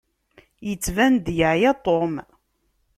Yettban-d yeɛya Tom.